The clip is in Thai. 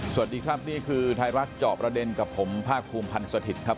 สวัสดีครับนี่คือไทยรัฐเจาะประเด็นกับผมภาคภูมิพันธ์สถิตย์ครับ